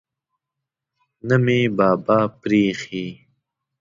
نه مې بابا پریښی.